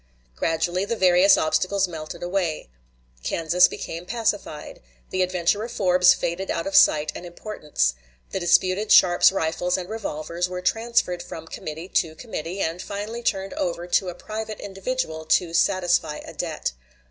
Gradually the various obstacles melted away. Kansas became pacified. The adventurer Forbes faded out of sight and importance. The disputed Sharps rifles and revolvers were transferred from committee to committee, and finally turned over to a private individual to satisfy a debt.